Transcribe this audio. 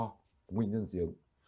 một cái nguyên nhân dị ứng